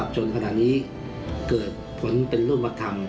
จนขณะนี้เกิดผลเป็นรูปธรรม